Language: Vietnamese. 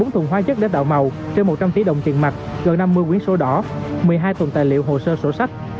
bốn thùng hoa chất đất đạo màu trên một trăm linh tỷ đồng tiền mặt gần năm mươi quyến số đỏ một mươi hai thùng tài liệu hồ sơ sổ sách